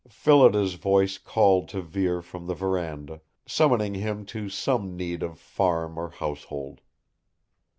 Phillida's voice called to Vere from the veranda, summoning him to some need of farm or household.